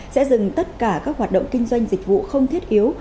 sẽ dừng tất cả các hoạt động kinh doanh dịch vụ không thiết yếu